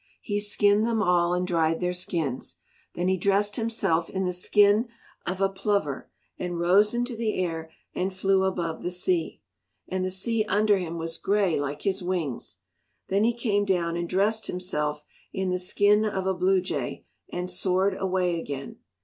He skinned them all and dried their skins. Then he dressed himself in the skin of a plover and rose into the air and flew above the sea. And the sea under him was grey like his wings. Then he came down and dressed himself in the skin of a blue jay and soared away again.